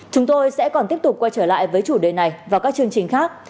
chúng tôi sẽ còn tiếp tục quay trở lại với chủ đề này và các chương trình khác